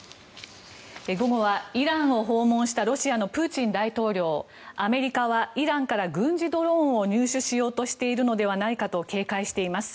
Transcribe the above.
午後はイランを訪問したロシアのプーチン大統領アメリカはイランから軍事ドローンを入手しようとしているのではないかと警戒しています。